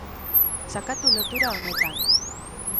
Sakatu lotura honetan.